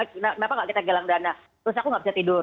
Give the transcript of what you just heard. kenapa gak kita galang dana terus aku nggak bisa tidur